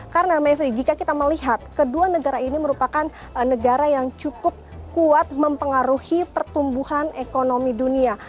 karena may tiga jika kita melihat kedua negara ini merupakan negara yang cukup kuat mempengaruhi pertumbuhan ekonomi dunia